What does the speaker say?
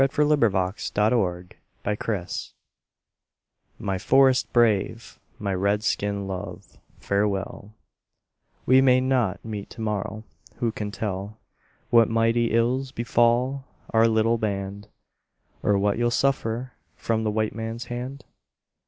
A CRY FROM AN INDIAN WIFE My forest brave, my Red skin love, farewell; We may not meet to morrow; who can tell What mighty ills befall our little band, Or what you'll suffer from the white man's hand?